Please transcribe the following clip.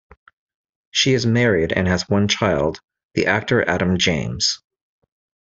She is married and has one child, the actor Adam James.